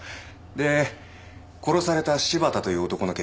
で殺された柴田という男の件ですね。